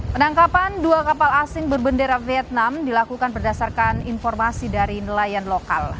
penangkapan dua kapal asing berbendera vietnam dilakukan berdasarkan informasi dari nelayan lokal